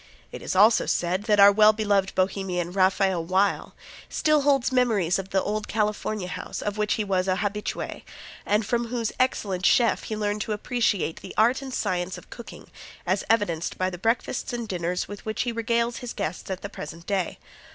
It is also said that our well beloved Bohemian, Rafael Weill, still holds memories of the old California House, of which he was an habitue, and from whose excellent chef he learned to appreciate the art and science of cooking as evidenced by the breakfasts and dinners with which he regales his guests at the present day.